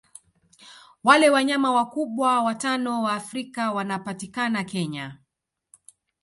Wale wanyama wakubwa watano wa Afrika wanapatikana Kenya